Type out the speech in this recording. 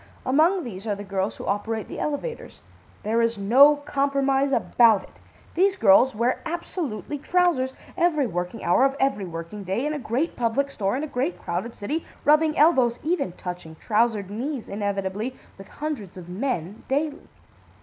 Among these are the girls who operate the elevators. There is no compromise about it. These girls wear absolutely trousers every working hour of every working day in a great public store, in a great crowded city, rubbing elbows (even touching trousered knees, inevitably) with hundreds of men daily.